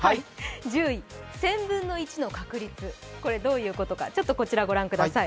１０位、１０００分の１の確率、どういうことかご覧ください。